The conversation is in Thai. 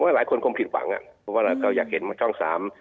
ผมว่าหลายคนคงผิดหวังเพราะว่าเขาอยากเห็นช่อง๓